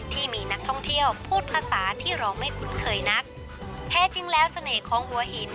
ที่มีนักท่องเที่ยวพูดภาษาที่เราไม่คุ้นเคยนักแท้จริงแล้วเสน่ห์ของหัวหิน